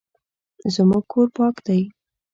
زموږ کور پاک دی